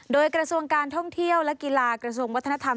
โดยกระทรวงการท่องเที่ยวและกีฬากระทรวงวัฒนธรรม